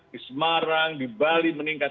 di semarang di bali meningkat